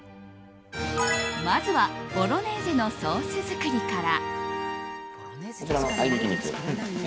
まずはボロネーゼのソース作りから。